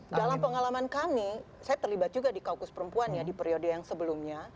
dalam pengalaman kami saya terlibat juga di kaukus perempuan ya di periode yang sebelumnya